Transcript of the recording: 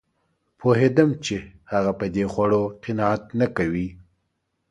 پوهېدم چې هغه په دې خوړو قناعت نه کوي